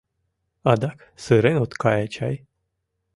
— Адак сырен от кае чай?